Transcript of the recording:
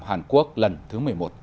hàn quốc lần thứ một mươi một